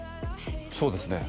そうですね